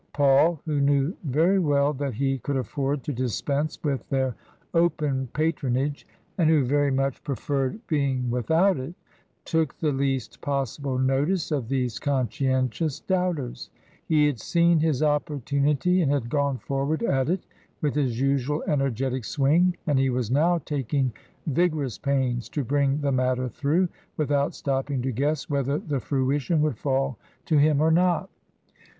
Paul, who knew very well that he could afford to dispense with their open patronage, and who very much preferred TRANSITION. 207 being without it, took the least possible notice of these conscientious doubters; he had seen his opportunity and had gone forward at it with his usual energetic swing, and he was now taking vigorous pains to bring the matter through, without stopping to guess whether the fruition would fall to him or not.